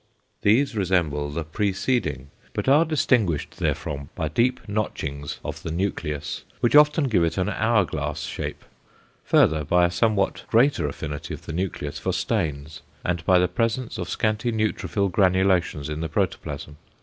=" These resemble the preceding, but are distinguished therefrom by deep notchings of the nucleus, which often give it an hour glass shape, further by a somewhat greater affinity of the nucleus for stains, and by the presence of scanty neutrophil granulations in the protoplasm.